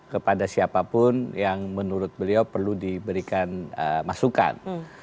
kepada siapapun yang menurut beliau perlu diberikan masukan